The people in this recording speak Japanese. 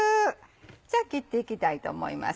じゃあ切っていきたいと思います。